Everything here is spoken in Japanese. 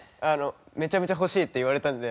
めちゃめちゃ欲しいって言われたんで。